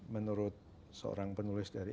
menurut seorang penulis dari